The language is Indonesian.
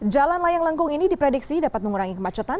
jalan layang lengkung ini diprediksi dapat mengurangi kemacetan